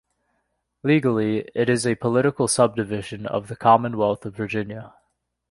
Legally, it is a political subdivision of the Commonwealth of Virginia.